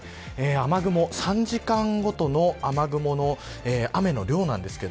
雨雲３時間ごとの雨雲の雨の量です。